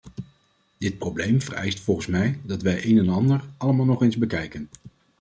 Dit probleem vereist volgens mij dat wij een en ander allemaal nog eens bekijken.